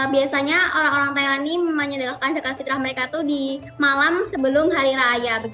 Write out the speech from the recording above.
biasanya orang orang thailand ini menyediakan zakat fitrah mereka itu di malam sebelum hari raya